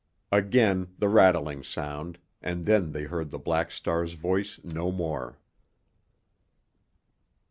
Again the rattling sound, and then they heard the Black Star's voice no more.